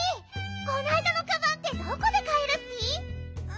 こないだのカバンってどこでかえるッピ？